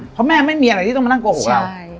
เพราะแม่ไม่มีอะไรที่ต้องมานั่งโกหกเรา